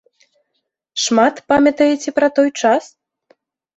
Шмат памятаеце пра той час?